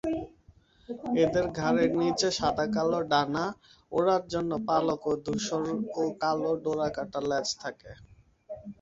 এদের ঘাড়ের নিচে সাদাকালো ডানা, ওড়ার জন্য পালক ও ধূসর ও কালো ডোরাকাটা লেজ থাকে।